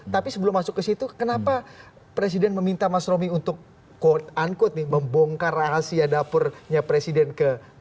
tapi sebelum masuk ke situ kenapa presiden meminta mas romi untuk quote unquote nih membongkar rahasia dapurnya presiden ke dua